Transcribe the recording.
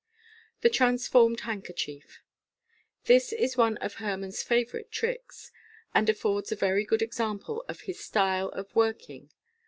The Transformed Handkerchief. — This is one of Herrmann's favourite tricks, and affords a very good example of his style of work ing.